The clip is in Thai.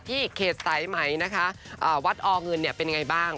ที่เคสไตร์ไหมนะคะวัดอเงินเป็นอย่างไรบ้าง